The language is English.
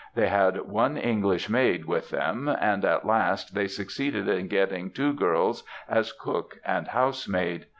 They had one English maid with them, and, at last, they succeeded in getting two girls as cook and housemaid.